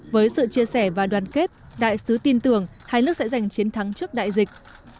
với sự chia sẻ và đoàn kết đại sứ tin tưởng hai nước sẽ giành chiến thắng trước đại dịch